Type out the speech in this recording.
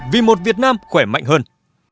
vì một việt nam khỏe mạnh hơn